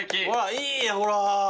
いいほら。